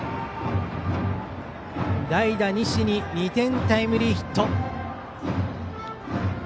代打、西に２点タイムリーヒット。